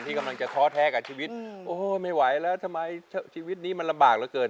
กำลังจะท้อแท้กับชีวิตโอ้โหไม่ไหวแล้วทำไมชีวิตนี้มันลำบากเหลือเกิน